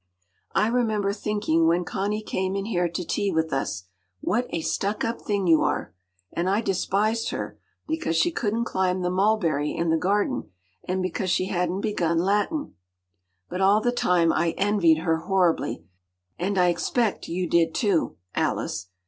“I remember thinking when Connie came in here to tea with us—‘What a stuck up thing you are!’ And I despised her, because she couldn’t climb the mulberry in the garden, and because she hadn’t begun Latin. But all the time, I envied her horribly, and I expect you did too, Alice.